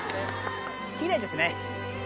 きれいですね。